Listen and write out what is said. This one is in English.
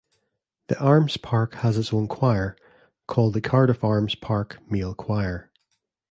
The Arms Park has its own choir, called the Cardiff Arms Park Male Choir.